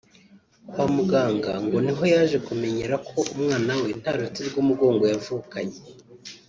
Kwa muganga ngo niho yaje kumenyera ko umwana we nta ruti rw’umugongo yavukanye